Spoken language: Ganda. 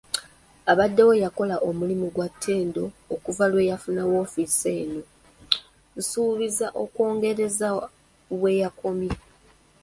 Abaddewo yakola omulimu gwa ttendo okuva lwe yafuna woofiisi eno, nsuubiza okwongereza we yakomye.